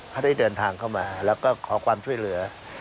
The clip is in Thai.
เขาได้เดินทางเข้ามาแล้วก็ขอความช่วยเหลือ